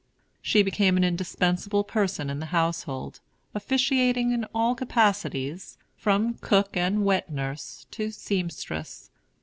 She became an indispensable person in the household, officiating in all capacities, from cook and wet nurse to seamstress.